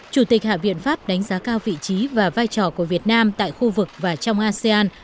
chủ tịch hạ viện pháp đánh giá cao vị trí và vai trò của việt nam tại khu vực và trong asean